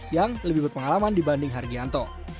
yang lebih berpengalaman dibanding hargianto